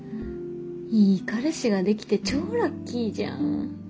いい彼氏ができて超ラッキーじゃん。